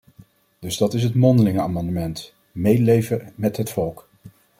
Dus dat is het mondelinge amendement: medeleven met het volk.